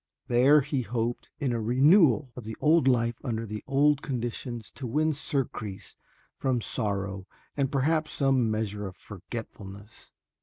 There he hoped in a renewal of the old life under the old conditions to win surcease from sorrow and perhaps some measure of forgetfulness.